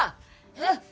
えっ？